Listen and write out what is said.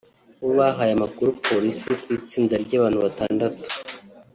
bo bahaye amakuru Polisi ku itsinda ry’abantu batandatu